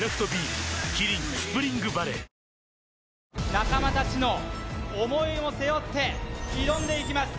仲間達の思いを背負って挑んでいきます